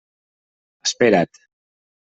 Espera't.